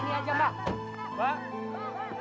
iya lu masuk